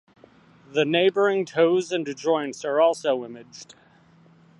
The neighbouring toes and joints are also imaged.